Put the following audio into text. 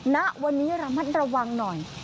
ณวันนี้ระมัดระวังหน่อย